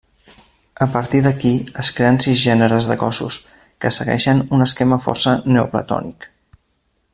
A partir d'aquí, es creen sis gèneres de cossos, que segueixen un esquema força neoplatònic.